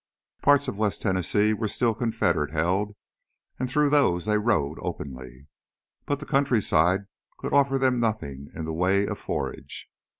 Parts of West Tennessee were still Confederate held and through those they rode openly. But the countryside could offer them nothing in the way of forage.